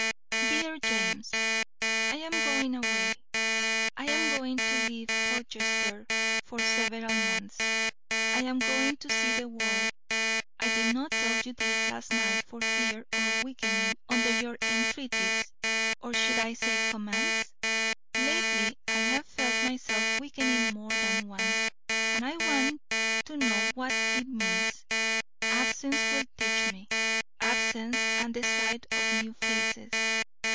DEAR JAMES: I am going away. I am going to leave Portchester for several months. I am going to see the world. I did not tell you this last night for fear of weakening under your entreaties, or should I say commands? Lately I have felt myself weakening more than once, and I want to know what it means. Absence will teach me, absence and the sight of new faces.